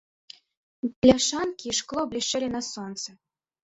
Бляшанкі і шкло блішчэлі на сонцы.